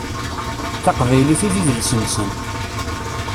D taqbaylit i d idles-nsen.